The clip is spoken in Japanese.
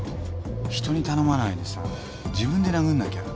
人に頼まないでさ自分で殴んなきゃ。